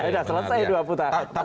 sudah selesai dua putaran